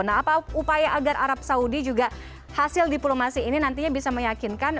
nah apa upaya agar arab saudi juga hasil diplomasi ini nantinya bisa meyakinkan